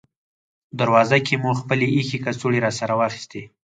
دروازه کې مو خپلې اېښې کڅوړې راسره واخیستې.